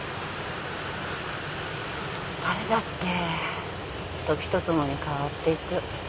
誰だって時とともに変わっていく。